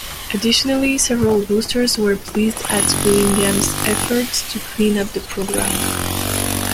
Additionally, several boosters were pleased at Willingham's effort to clean up the program.